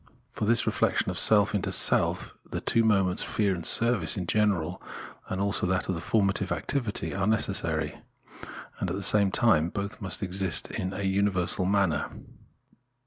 For this reflexion of self into self the two moments, fear and service in general, as also that of formative activityTare necessary : and at the same time both must "exist in a universal manner.